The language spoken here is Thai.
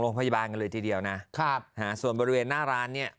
พยาบาลกันเลยทีเดียวนะครับส่วนบริเวณหน้าร้านเนี่ย